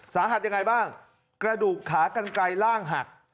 สาหัสยังไงบ้างกระดูกขากันไกลร่างหัก